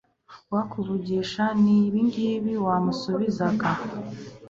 uwakuvugishaga ni ibingibi wamusubizaga